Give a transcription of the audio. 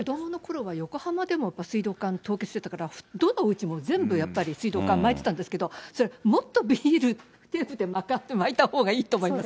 横浜でも水道管、凍結してたからどのおうちもやっぱり水道管、巻いてたんですけれども、もっとビニールテープで巻いたほうがいいと思います。